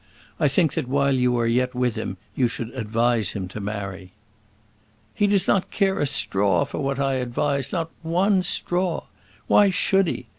I think that while you are yet with him you should advise him to marry." "He does not care a straw for what I advise, not one straw. Why should he?